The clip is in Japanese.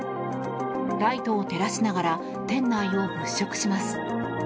ライトを照らしながら店内を物色します。